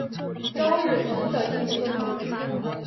朝日村的一村。